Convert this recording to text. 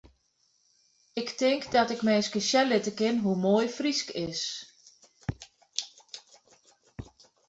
Ik tink dat ik minsken sjen litte kin hoe moai Frysk is.